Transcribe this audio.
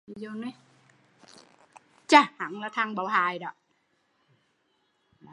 Hắn là thằng báo hại